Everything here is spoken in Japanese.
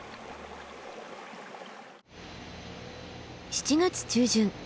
７月中旬。